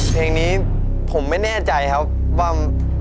เพลงนี้ผมไม่แน่ใจครับว่า